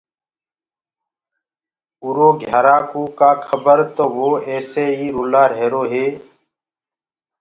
اُرو گھيارآ ڪوُ ڪآ کبر تو وو ايسي ئي رُلآ رهيرو هي۔